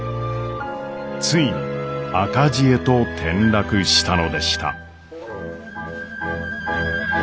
ついに赤字へと転落したのでした。